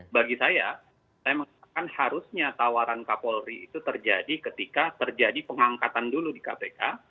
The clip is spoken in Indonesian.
bagi saya saya mengatakan harusnya tawaran kapolri itu terjadi ketika terjadi pengangkatan dulu di kpk